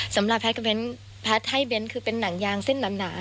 สำหรับแพทย์กับเบ้นแพทย์ให้เบ้นคือเป็นหนังยางเส้นหนา